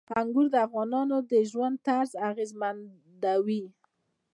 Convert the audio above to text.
انګور د افغانانو د ژوند طرز اغېزمنوي.